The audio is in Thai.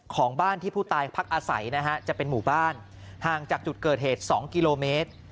ของบ้านที่ผู้ตายพักอาศัยนะฮะจะเป็นหมู่บ้านห่างจากจุดเกิดเหตุ๒กิโลเมตร